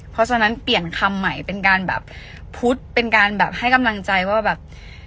เพราะฉะนั้นเปลี่ยนคำใหม่เป็นการแบบพูดเป็นการแบบให้กำลังใจว่าแบบ